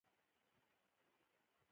سپین کالي د جمعې او اختر لپاره دي.